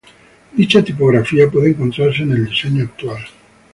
Dicha tipografía puede encontrarse en el diseño actual.